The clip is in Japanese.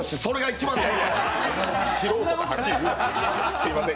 すみません。